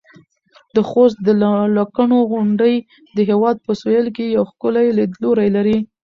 د خوست د لکڼو غونډۍ د هېواد په سویل کې یو ښکلی لیدلوری لري.